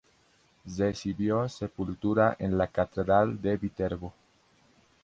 Recibió sepultura en la catedral de Viterbo.